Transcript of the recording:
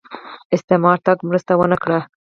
استعمار تګ مرسته ونه کړه